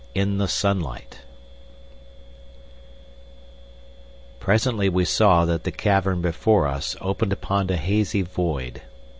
In the Sunlight Presently we saw that the cavern before us opened upon a hazy void.